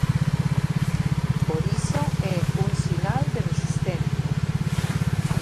Por iso é un sinal de resistencia.